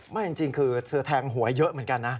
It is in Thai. ไม่จริงคือเธอแทงหวยเยอะเหมือนกันนะ